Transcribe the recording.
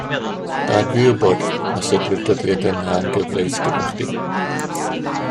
Gad fi wybod os ydi'r dyddiadau yna yn gyfleus gyda chdi